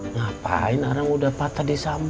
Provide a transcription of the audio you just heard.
ngapain arang sudah patah di rumah